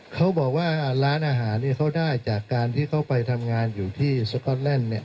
เขาบอกว่าร้านอาหารเขาได้จากการที่เขาไปทำงานอยู่ที่สก๊อตแลนด์